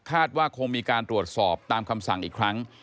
ว่าคงมีการตรวจสอบตามคำสั่งอีกครั้ง